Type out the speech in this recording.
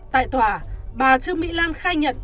tại tòa bà trương mỹ lan khai nhận